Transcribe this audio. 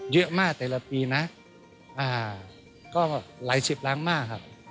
เยอะมากแต่ละปีนะก็หลายสิบล้างมากครับ